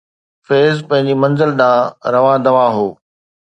فيض پنهنجي منزل ڏانهن روان دوان هو